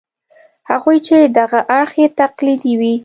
هغوی چې دغه اړخ یې تقلیدي وي.